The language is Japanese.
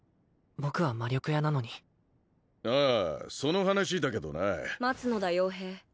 僕は魔力屋なのにああその話だけどな待つのだ傭兵